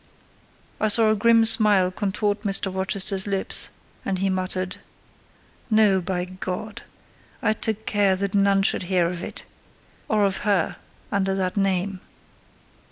I saw a grim smile contort Mr. Rochester's lips, and he muttered— "No, by God! I took care that none should hear of it—or of her under that name."